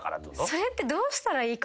それってどうしたらいいかなと。